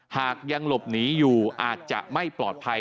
หากยังหลบหนีอยู่อาจจะไม่ปลอดภัย